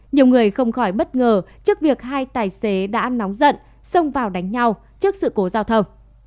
nhiều người không khỏi bất ngờ trước việc hai tài xế đã nóng giận xông vào đánh nhau trước sự cố giao thông